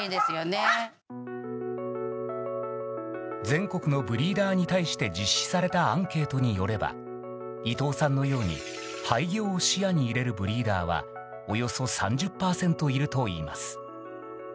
全国のブリーダーに対して実施されたアンケートによれば伊藤さんのように廃業を視野に入れるブリーダーはおよそ３０％いるといいます。